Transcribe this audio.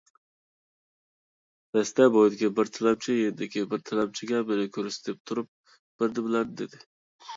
رەستە بويىدىكى بىر تىلەمچى يېنىدىكى بىر تىلەمچىگە مېنى كۆرسىتىپ تۇرۇپ بىرنېمىلەرنى دېدى.